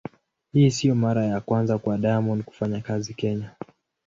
Hii sio mara ya kwanza kwa Diamond kufanya kazi Kenya.